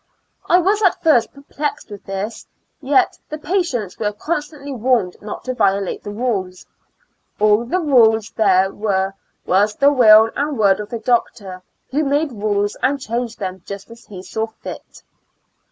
I was at first perplexed with this, yet the patients were constantly warned not to violate the rules. All the rules there were was the will and word of the doctor, who made rules and changed them just as he saw fit.